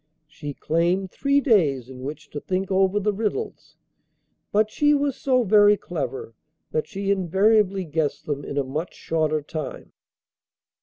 She claimed three days in which to think over the riddles, but she was so very clever that she invariably guessed them in a much shorter time.